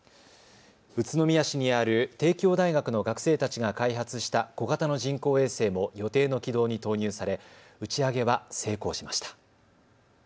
宇都宮市にある帝京大学の学生たちが開発した小型の人工衛星も予定の軌道に投入され打ち上げは成功しました。